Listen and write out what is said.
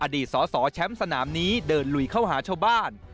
อดีตสอสอแชมป์สนามนี้เดินลุยเข้าหาชาวบ้าน